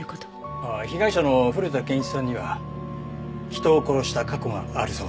ああ被害者の古田憲一さんには人を殺した過去があるそうです。